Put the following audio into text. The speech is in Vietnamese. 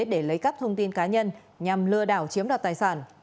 để lấy các thông tin cá nhân nhằm lừa đảo chiếm đoàn tài sản